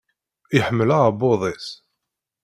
Iḥemmel aɛebbuḍ-is.